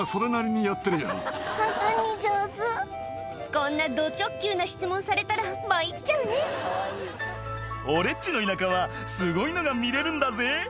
こんなど直球な質問されたら参っちゃうね「俺っちの田舎はすごいのが見れるんだぜ」